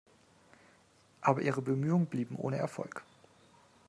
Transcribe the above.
Aber ihre Bemühungen blieben ohne Erfolg.